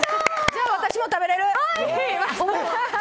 じゃあ私も食べれる！